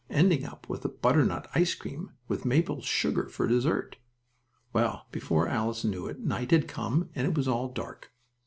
ending up with butternut ice cream, with maple sugar for dessert. Well, before Alice knew it, night had come, and it was all dark.